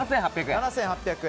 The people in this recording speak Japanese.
７８００円。